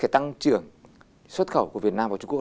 tăng trưởng xuất khẩu của việt nam và trung quốc